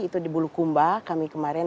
itu di bulukumba kami kemarin